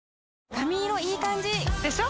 髪色いい感じ！でしょ？